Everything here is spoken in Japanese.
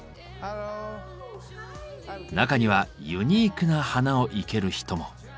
中にはユニークな花を生ける人も。